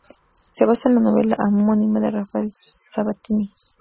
Se basa en la novela homónima de Rafael Sabatini.